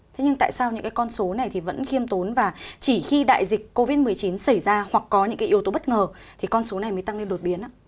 thế nhưng tại sao những cái con số này thì vẫn khiêm tốn và chỉ khi đại dịch covid một mươi chín xảy ra hoặc có những cái yếu tố bất ngờ thì con số này mới tăng lên đột biến á